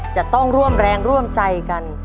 จะต้องร่วมแรงร่วมใจกัน